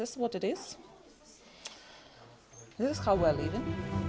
ini adalah cara kita hidup